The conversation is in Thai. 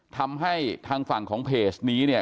ทำให้ทางฝั่งของเพจนี้เนี่ย